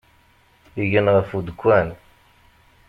Igen ɣef udekkan.